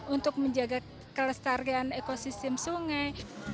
untuk menjaga kelestarian ekosistem sungai